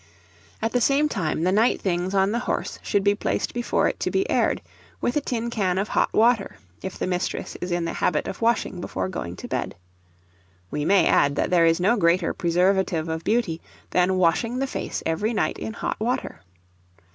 At the same time, the night things on the horse should be placed before it to be aired, with a tin can of hot water, if the mistress is in the habit of washing before going to bed. We may add, that there is no greater preservative of beauty than washing the face every night in hot water.